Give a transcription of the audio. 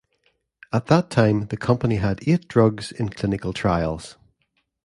At that time the company had eight drugs in clinical trials.